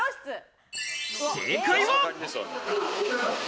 正解は。